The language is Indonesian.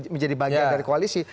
menjadi bagian dari koalisi